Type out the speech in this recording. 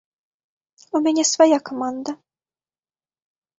У мяне свая каманда.